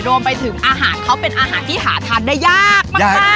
รวมไปถึงอาหารเขาเป็นอาหารที่หาทานได้ยากมาก